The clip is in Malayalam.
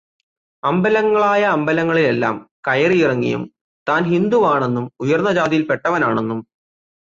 അമ്പലങ്ങളായ അമ്പലങ്ങളിലെല്ലാം കയറിയിറങ്ങിയും താന് ഹിന്ദുവാണെന്നും ഉയര്ന്ന ജാതിയില്പ്പെട്ടവനാണെന്നും